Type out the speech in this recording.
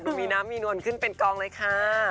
มีน้ำมีนวลขึ้นเป็นกองเลยค่ะ